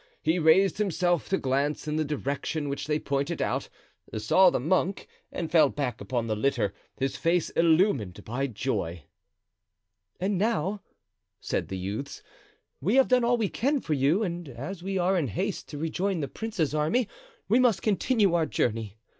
He raised himself to glance in the direction which they pointed out, saw the monk, and fell back upon the litter, his face illumined by joy. "And now," said the youths, "we have done all we can for you; and as we are in haste to rejoin the prince's army we must continue our journey.